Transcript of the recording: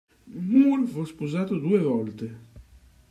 Moore fu sposato due volte.